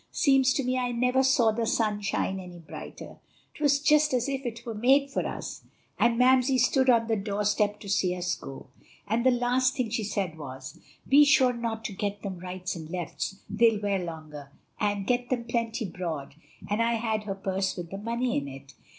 Seems to me I never saw the sun shine any brighter; 'twas just as if it were made for us. And Mamsie stood on the door step to see us go; and the last thing she said was, 'Be sure not to get them rights and lefts, they'll wear longer,' and 'Get them plenty broad;' and I had her purse with the money in it."